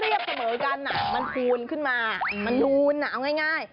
คือผิวมันอูเรียบเสมอกันมันพูดขึ้นมามันนูนเอาง่าย